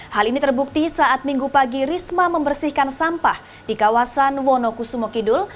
hal ini terbukti saat minggu pagi risma membersihkan sampah di kawasan wonokusumo kidul